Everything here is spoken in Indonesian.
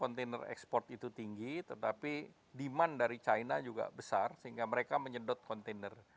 kontainer ekspor itu tinggi tetapi demand dari china juga besar sehingga mereka menyedot kontainer